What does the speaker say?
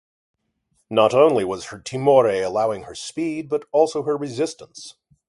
Not only was her "timore" allowing her speed but also her resistance.